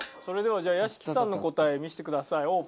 それではじゃあ屋敷さんの答え見せてください。